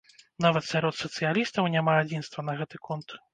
Нават сярод сацыялістаў няма адзінства на гэты конт.